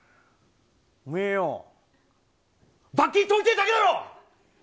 おめえよー、罰金取りてえだけだろ！